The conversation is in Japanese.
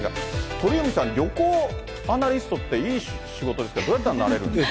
鳥海さん、旅行アナリストっていい仕事ですけど、どうやったらなれるんですか。